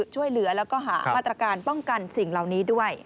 ช่วยเหลือแล้วก็หามาตรการป้องกันสิ่งเหล่านี้ด้วย